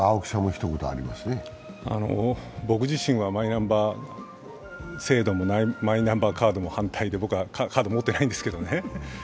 僕自身はマイナンバー制度もマイナンバーカードも反対で僕はカード、持ってないんですけどね。